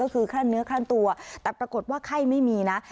ก็คือคลั่นเนื้อคลั่นตัวแต่ปรากฏว่าไข้ไม่มีนะ